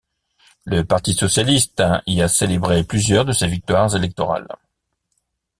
Le parti socialiste y a célébré plusieurs de ses victoires électorales.